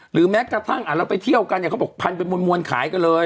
หรือแม้กระทั่งเอาไปเที่ยวกันอ่ะพันไปมวดขายกันเลย